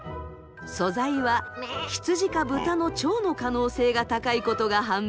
素材は羊か豚の腸の可能性が高いことが判明。